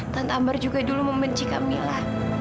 tante amar juga dulu membenci camilla